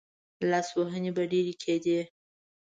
لاسوهنې به ډېرې کېدې.